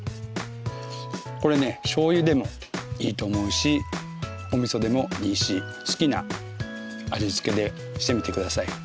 これねしょうゆでもいいと思うしおみそでもいいし好きな味付けでしてみて下さい。